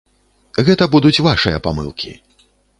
Гэта будуць вашыя памылкі.